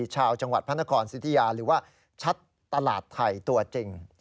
ชาวจังหวัดพระนครสิทธิยาหรือว่าชัดตลาดไทยตัวจริง